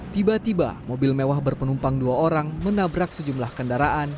tiba tiba mobil mewah berpenumpang dua orang menabrak sejumlah kendaraan